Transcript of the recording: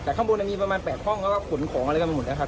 แต่ข้างบนมีประมาณ๘ห้องแล้วก็ขนของอะไรกันไปหมดนะครับ